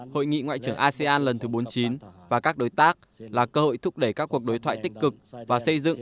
hội nghị ngoại trưởng asean lần thứ bốn mươi chín và các đối tác là cơ hội thúc đẩy các cuộc đối thoại tích cực và xây dựng